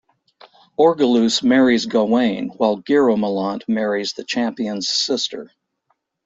Orgeluse marries Gawain while Guiromelant marries the champion's sister.